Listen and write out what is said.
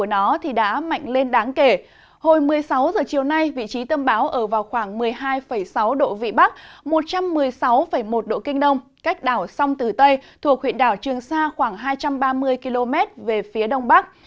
hồi một mươi sáu h chiều nay vị trí tâm bão ở vào khoảng một mươi hai sáu độ vị bắc một trăm một mươi sáu một độ kinh đông cách đảo sông tử tây thuộc huyện đảo trường sa khoảng hai trăm ba mươi km về phía đông bắc